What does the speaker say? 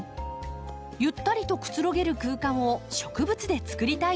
ゆったりとくつろげる空間を植物でつくりたいとのこと。